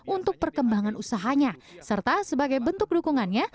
untuk perkembangan usahanya serta sebagai bentuk dukungannya